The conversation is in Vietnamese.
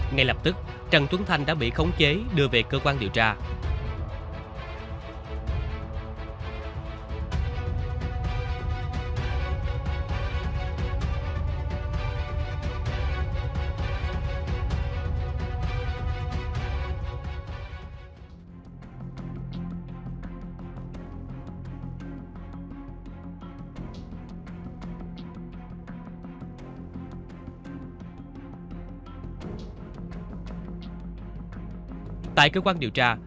ngay lập tức trần tuấn thanh đã bị khống chế đưa về cơ quan điều tra